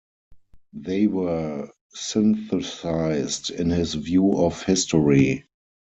They were synthesized in his view of history.